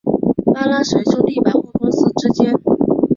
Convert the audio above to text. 巴拉什兄弟百货公司之间。